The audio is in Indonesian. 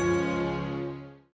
aku mau berhubung sama dia